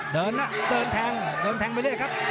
เดินในเดินแทงไปเลยนะครับ